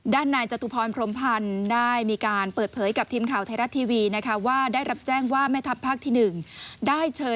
ได้เชิญไปรับทีมข่าวไทยรัฐทีวี